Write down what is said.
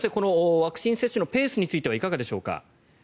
ワクチン接種のペースについてはいかがでしょうか。